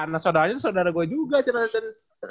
nah saudaranya itu saudara gue juga chen